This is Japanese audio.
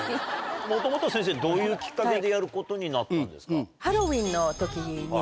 もともとは先生どういうきっかけでやることになったんですか？